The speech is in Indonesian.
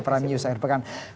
peran news akhir pekan